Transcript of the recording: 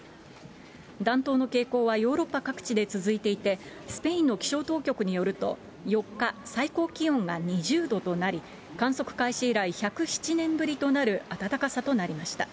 暖冬の傾向はヨーロッパ各地で続いていて、スペインの気象当局によると、４日、最高気温が２０度となり、観測開始以来１０７年ぶりとなる暖かさとなりました。